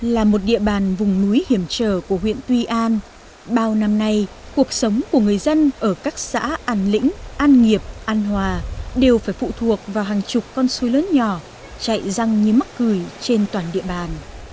là một địa bàn vùng núi hiểm trở của huyện tuy an bao năm nay cuộc sống của người dân ở các xã an lĩnh an nghiệp an hòa đều phải phụ thuộc vào hàng chục con suối lớn nhỏ chạy răng như mắc cười trên toàn địa bàn